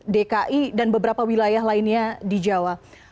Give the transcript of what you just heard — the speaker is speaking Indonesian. dki dan beberapa wilayah lainnya di jawa